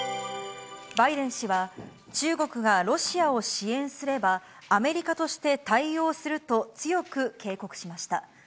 バイデン氏は、中国がロシアを支援すれば、アメリカとして対応すると強く警告しました。